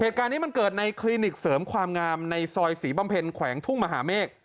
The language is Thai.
เหตุการณ์นี้มันเกิดในคลินิกเสริมความงามในซอยศรีบำเพ็ญแขวงทุ่งมหาเมฆ